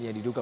ya itu juga